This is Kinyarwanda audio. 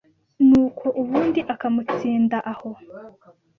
nuko ubundi, akamutsinda aho.